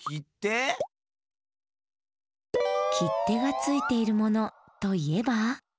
きってがついているものといえば？